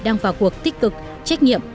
đang vào cuộc tích cực trách nhiệm